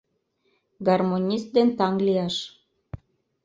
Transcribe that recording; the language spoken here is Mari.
Гармонист ден таҥ лияш.